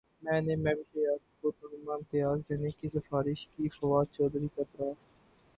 میں نے مہوش حیات کو تمغہ امتیاز دینے کی سفارش کی فواد چوہدری کا اعتراف